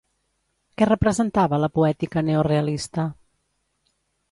Què representava la poètica neorealista?